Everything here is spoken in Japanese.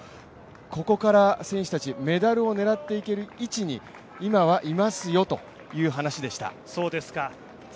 ここから選手たちメダルを狙っていける位置に今はいますよという話でした。